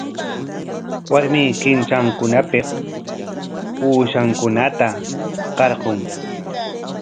Warmi qintranpik uushankunata qarqun.